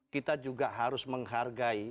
kita juga harus menghargai